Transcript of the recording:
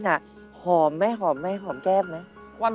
หอมไหมหอมแก้วไหม